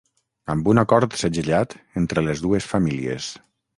Amb un acord segellat entre les dues famílies.